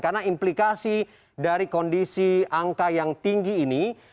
karena implikasi dari kondisi angka yang tinggi ini